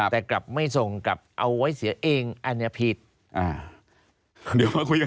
แต่กลับไม่ส่งกลับเอาไว้เสียเองหรือโปรด